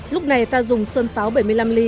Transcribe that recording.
lúc này ta dùng sơn pháo bảy mươi năm ly